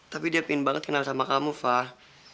tapi dia pin banget kenal sama kamu fah